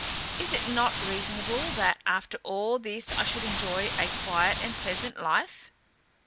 Is it not reasonable that, after all this I should enjoy a quiet and pleasant life?"